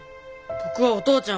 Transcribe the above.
僕はお父ちゃん